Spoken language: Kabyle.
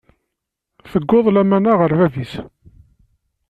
Tewweḍ lamana ɣer bab-is.